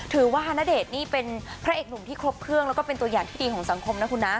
ณเดชน์นี่เป็นพระเอกหนุ่มที่ครบเครื่องแล้วก็เป็นตัวอย่างที่ดีของสังคมนะคุณนะ